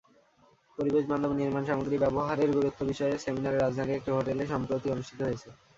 পরিবেশবান্ধব নির্মাণসামগ্রী ব্যবহারের গুরুত্ব বিষয়ে সেমিনার রাজধানীর একটি হোটেলে সম্প্রতি অনুষ্ঠিত হয়েছে।